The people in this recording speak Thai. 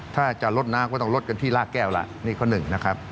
ถ้าจะลดน้ำก็ต้องลดกันที่ลากแก้วละนี่ข้อหนึ่งนะครับ